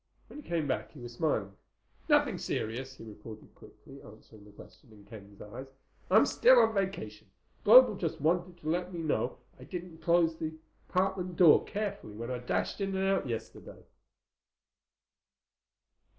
When he came back he was smiling. "Nothing serious," he reported quickly, answering the question in Ken's eyes. "I'm still on vacation. Global just wanted to let me know I didn't close the apartment door carefully when I dashed in and out yesterday."